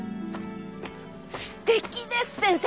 すてきです先生。